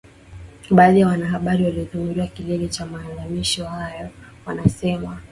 Baadhi ya wanahabari waliohudhuria kilele cha maadhimisho hayo wanasema